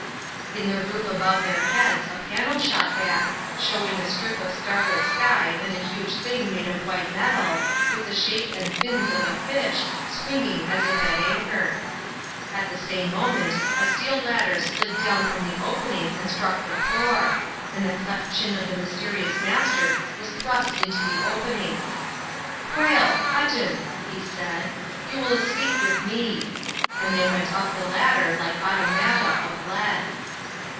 In the roof above their heads a panel shot back, showing a strip of star lit sky and a huge thing made of white metal, with the shape and fins of a fish, swinging as if at anchor. At the same moment a steel ladder slid down from the opening and struck the floor, and the cleft chin of the mysterious Master was thrust into the opening. "Quayle, Hutton," he said, "you will escape with me." And they went up the ladder like automata of lead.